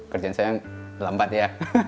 kerjaan saya lambat ya